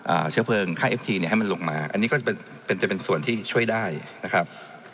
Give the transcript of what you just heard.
เชื้อเพลิงค่าเอฟทีเนี้ยให้มันลงมาอันนี้ก็จะเป็นเป็นจะเป็นส่วนที่ช่วยได้นะครับ